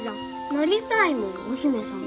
なりたいもんお姫様。